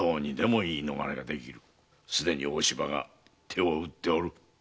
すでに大柴が手を打っておる。